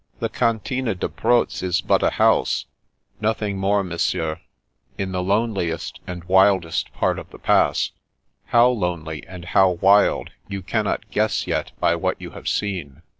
"The Cantine de Proz is but a house, nothing more, Monsieur, in the loneliest and wildest part of the Pass — how lonely, and how wild, you cannot guess yet by what you have seen.